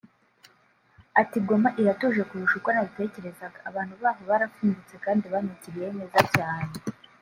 Ati “Goma iratuje kurusha uko nabitekerezaga […] Abantu baho barafungutse kandi banyakiriye neza cyane